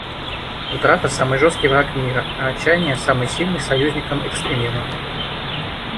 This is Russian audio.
Утрата — самый жестокий враг мира, а отчаяние — самый сильный союзником экстремизма.